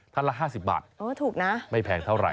ทั้งละ๕๐บาทไม่แพงเท่าไหร่